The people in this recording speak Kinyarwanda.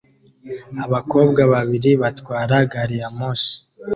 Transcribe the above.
Abakobwa babiri batwara gari ya moshi